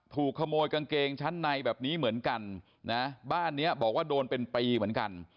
ถูกขโมยกางเกงชั้นในแบบนี้เหมือนกันนะบ้านเนี้ยบอกว่าโดนเป็นปีเหมือนกัน